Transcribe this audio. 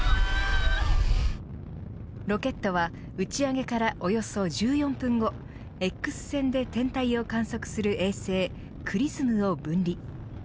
ロケットは、打ち上げからおよそ１４分後Ｘ線で天体を観測する衛星ＸＲＩＳＭを分離。